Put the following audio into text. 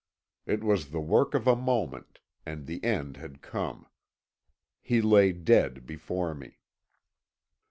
It was the work of a moment, and the end had come. He lay dead before me.